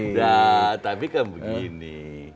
nah tapi kan begini